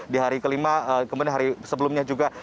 di hari kelima kemudian hari sebelumnya juga